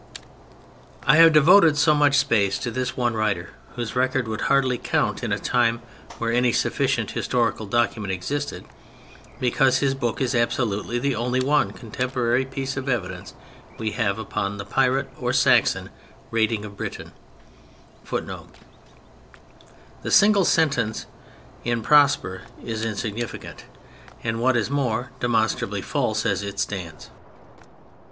I have devoted so much space to this one writer, whose record would hardly count in a time where any sufficient historical document existed, because his book is absolutely the only one contemporary piece of evidence we have upon the pirate, or Saxon, raiding of Britain. [Footnote: The single sentence in Prosper is insignificant—and what is more, demonstrably false as it stands.